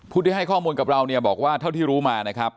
ผู้ที่ให้ข้อมูลแหละกระตูนบอกว่าเท่าที่รู้มานะครับ